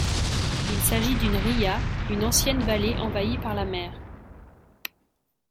Il s'agit d'une ria, une ancienne vallée envahie par la mer.